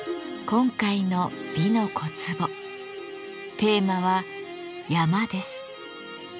今回の「美の小壺」テーマは「山」です。